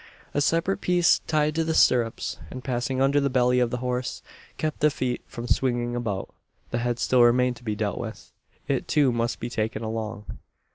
"A separate piece tied to the stirrups, and passing under the belly of the horse, kept the feet from swinging about. "The head still remained to be dealt with. It too must be taken along.